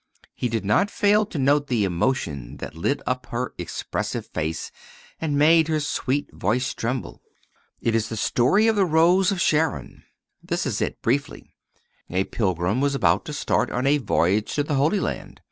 He did not fail to note the emotion that lit up her expressive face, and made her sweet voice tremble. "It is the story of the Rose of Sharon. This is it briefly: A pilgrim was about to start on a voyage to the Holy Land.